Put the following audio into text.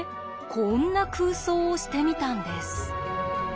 こんな空想をしてみたんです。